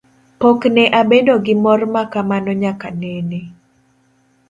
Pok ne abedo gi mor ma kamano nyaka nene.